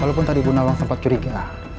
walaupun tadi bu nawang sempat curiga